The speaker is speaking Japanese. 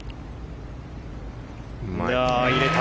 入れた！